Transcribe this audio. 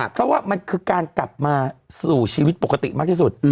เพราะว่ามันคือการกลับมาสู่ชีวิตปกติมากที่สุด